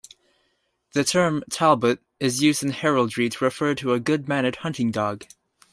The term "talbot" is used in heraldry to refer to a good-mannered hunting dog.